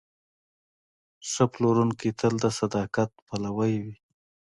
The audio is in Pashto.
ښه پلورونکی تل د صداقت پلوی وي.